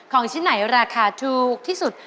ของชิ้นไหนราคาถูกที่สุด